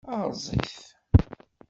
Erẓ-it.